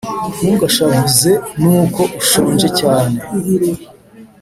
Ntugashavuze nuko ushonje cyane